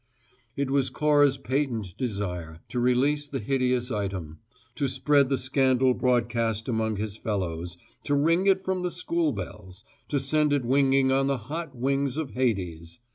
It was Cora's patent desire to release the hideous item, to spread the scandal broadcast among his fellows to ring it from the school bells, to send it winging on the hot winds of Hades!